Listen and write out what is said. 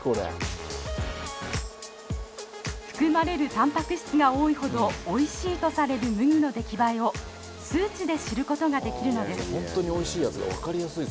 含まれるたんぱく質が多いほどおいしいとされる麦の出来栄えを数値で知ることができるのです。